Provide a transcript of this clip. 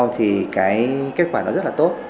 thì cái kết quả nó rất là tốt